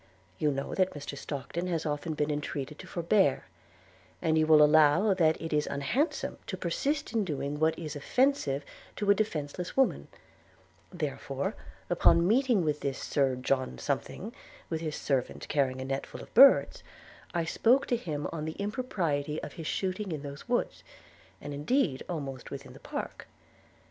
You know that Mr Stockton has often been entreated to forbear; and you will allow that it is unhandsome to persist in doing what is offensive to a defenceless woman: therefore, upon meeting with this Sir John Something, with his servant carrying a net full of birds, I spoke to him on the impropriety of his shooting in those woods, and indeed almost within the park.